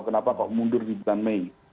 kenapa kok mundur di bulan mei